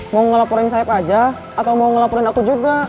mau ngelaporin sayap aja atau mau ngelaporin aku juga